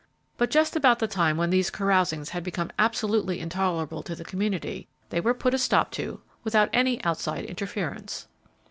But just about the time when these carousings had become absolutely intolerable to the community, they were put a stop to without any outside interference.